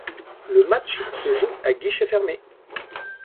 Le match se joue à guichets fermés.